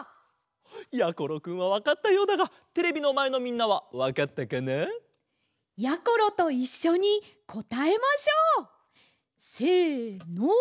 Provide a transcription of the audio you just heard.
やころくんはわかったようだがテレビのまえのみんなはわかったかな？やころといっしょにこたえましょう！せの。